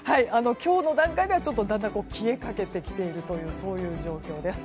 今日の段階ではだんだん消えかけているというそういう状況です。